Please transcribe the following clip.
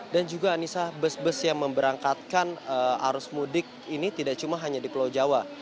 juga anissa bus bus yang memberangkatkan arus mudik ini tidak cuma hanya di pulau jawa